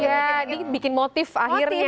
jadi bikin motif akhirnya ya